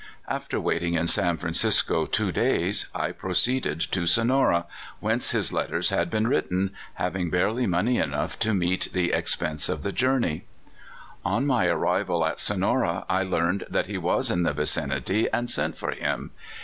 After waiting in San Francisco two days, I pro ceeded to Sonora, whence his letters had been writ ten, having barely money enough to meet the ex pense of the journey. " On my arrival at Sonora, I learned that he was in the vicinity, and sent for him.